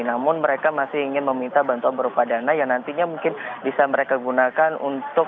namun mereka masih ingin meminta bantuan berupa dana yang nantinya mungkin bisa mereka gunakan untuk